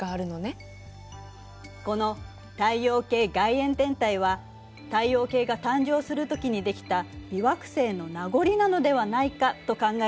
この太陽系外縁天体は太陽系が誕生するときにできた微惑星の名残なのではないかと考えられているのよ。